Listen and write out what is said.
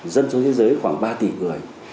dân số thế giới khoảng ba tỷ người